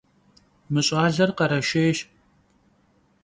Mı ş'aler khereşşêyş.